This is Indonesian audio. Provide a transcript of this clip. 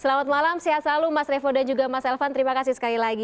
selamat malam sehat selalu mas revo dan juga mas elvan terima kasih sekali lagi